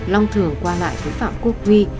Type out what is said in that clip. long thường qua lại với phạm quốc huy